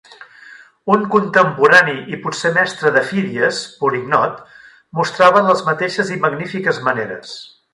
Un contemporani i potser mestre de Fídies, Polignot, mostraven les mateixes i magnífiques maneres.